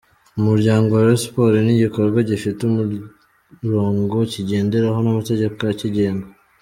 Umuryango wa Rayon Sports ni igikorwa gifite umurongo kigenderaho n’amategeko akigenga.